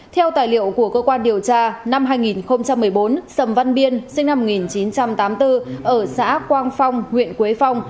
theo tài liệu của cơ quan điều tra năm hai nghìn một mươi bốn sầm văn biên sinh năm một nghìn chín trăm tám mươi bốn ở xã quang phong huyện quế phong